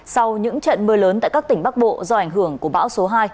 sau những trận mưa lớn tại các tỉnh bắc bộ do ảnh hưởng của bão số hai